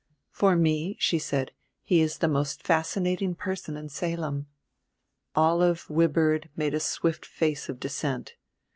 "For me," she said, "he is the most fascinating person in Salem." Olive Wibird made a swift face of dissent.